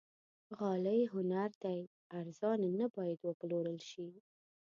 غالۍ هنر دی، ارزانه نه باید وپلورل شي.